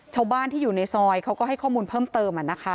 ชาวบ้านที่อยู่ในซอยเขาก็ให้ข้อมูลเพิ่มเติม